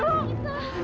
orang kita ya bu